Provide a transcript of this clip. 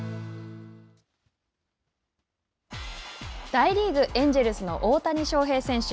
大リーグ、エンジェルスの大谷翔平選手。